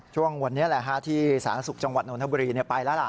ช่วงวันนี้แหละฮะที่สาธารณสุขจังหวัดนทบุรีไปแล้วล่ะ